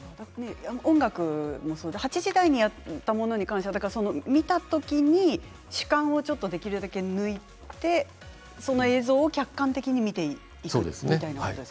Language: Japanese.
８時台にやったものに関しては見た時に主観をできるだけ抜いてその演奏を客観的に見ていくみたいな。